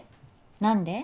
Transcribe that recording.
何で？